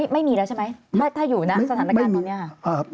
ไม่มีแล้วใช่ไหมถ้าอยู่นะสถานการณ์ตอนนี้ค่ะ